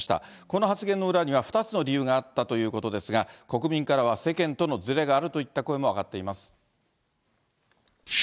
この発言の裏には、２つの理由があったということですが、国民からは世間とのずれがあるといった声も上がっています。